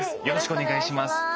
よろしくお願いします。